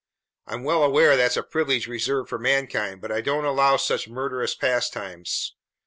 I'm well aware that's a privilege reserved for mankind, but I don't allow such murderous pastimes.